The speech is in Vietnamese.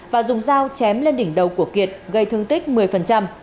và dùng dao chém lên đỉnh đầu của kiệt gây thương tích một mươi